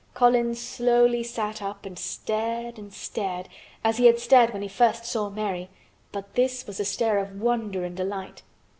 Colin slowly sat up and stared and stared—as he had stared when he first saw Mary; but this was a stare of wonder and delight.